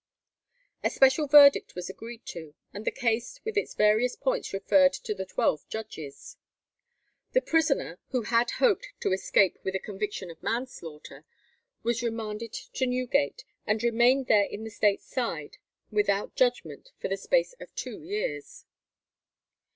A special verdict was agreed to, and the case with its various points referred to the twelve judges. The prisoner, who had hoped to escape with a conviction of manslaughter, was remanded to Newgate, and remained there in the State side without judgment for the space of two years.